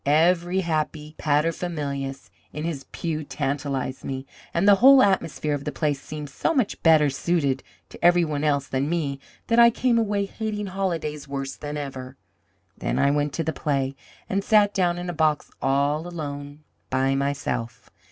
Every happy paterfamilias in his pew tantalized me, and the whole atmosphere of the place seemed so much better suited to every one else than me that I came away hating holidays worse than ever. Then I went to the play, and sat down in a box all alone by myself.